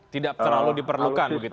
tidak terlalu diperlukan begitu